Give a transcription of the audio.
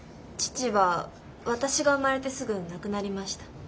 父は私が生まれてすぐ亡くなりました。